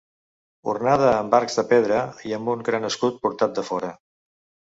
Ornada amb arcs de pedra i amb un gran escut portat de fora.